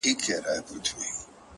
نن دې تصوير زما پر ژړا باندې راوښويدی”